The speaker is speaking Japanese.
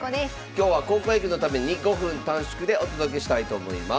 今日は高校野球のために５分短縮でお届けしたいと思います。